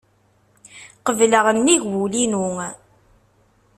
Qebleɣ nnig wul-inu.